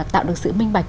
tạo được sự minh bạch